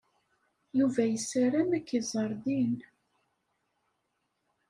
Yuba yessaram ad k-iẓer din.